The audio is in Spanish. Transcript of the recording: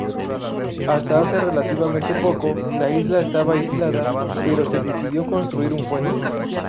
Hasta hace relativamente poco, la isla estaba aislada, pero se decidió construir un puente.